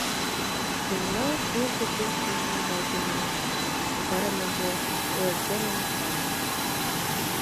Пурла шӱргӧ тул пижме гай пеҥеш, оварымыже ойыртемын пале...